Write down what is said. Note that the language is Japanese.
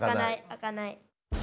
あかない。